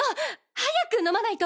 早く飲まないと！